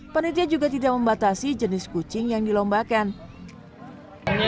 penitia juga tidak membatasi jenis kucing yang dilombakan